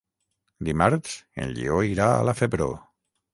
Dimarts en Lleó irà a la Febró.